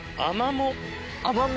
アマモ。